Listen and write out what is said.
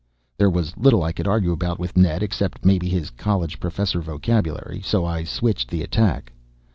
There was little I could argue about with Ned. Except maybe his college professor vocabulary. So I switched the attack.